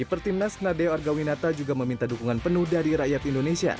keeper timnas nadeo argawinata juga meminta dukungan penuh dari rakyat indonesia